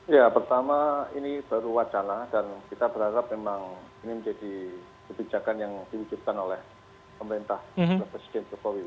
ya pertama ini baru wacana dan kita berharap memang ini menjadi kebijakan yang diwujudkan oleh pemerintah presiden jokowi